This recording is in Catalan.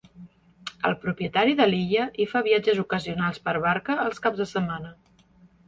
El propietari de l'illa hi fa viatges ocasionals per barca els caps de setmana.